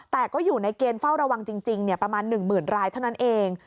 แต่ก็อยู่ในเกณฑ์เฝ้าระวังจริงประมาณ๑๐๐๐รายเท่านั้นเอง